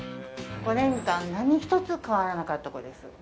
５年間、何一つ変わらなかった子です。